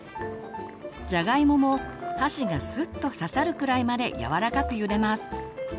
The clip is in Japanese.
じゃがいもも箸がすっと刺さるくらいまでやわらかくゆでます。